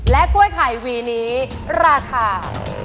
กล้วยไข่วีนี้ราคา